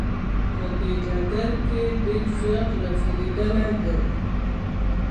په دې ډګر کې ډیر زیات را ځلیدلی دی.